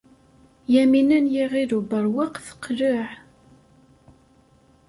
Yamina n Yiɣil Ubeṛwaq teqleɛ.